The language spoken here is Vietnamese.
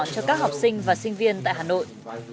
cho các học sinh và sinh viên tại hà nội